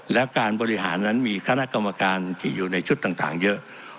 แล้วการบริหารนั้นมีคณะกรรมการที่อยู่ในชุดต่างเยอะ